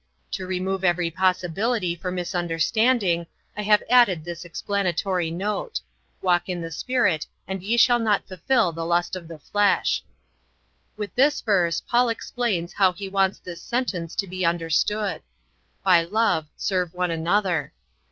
To remove every possibility for misunderstanding I have added this explanatory note: 'Walk in the Spirit, and ye shall not fulfill the lust of the flesh.'" With this verse Paul explains how he wants this sentence to be understood: "By love serve one another.